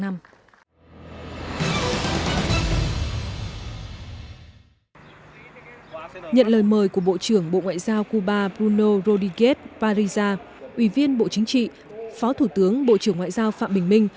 nhận lời mời của bộ trưởng bộ ngoại giao cuba bruno rodige parisa ủy viên bộ chính trị phó thủ tướng bộ trưởng ngoại giao phạm bình minh